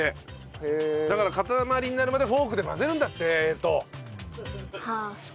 だから塊になるまでフォークで混ぜるんだって瑛都。